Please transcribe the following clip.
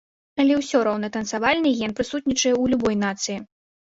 Але ўсё роўна танцавальны ген прысутнічае ў любой нацыі.